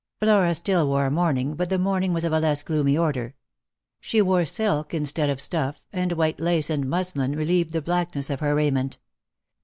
Flora still wore mourning, but the mourning was of a less gloomy order. She wore silk instead of stuff, and white lace and muslin relieved the blackness of her raiment.